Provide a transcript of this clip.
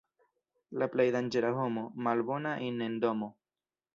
La plej danĝera homo — malbona in' en domo.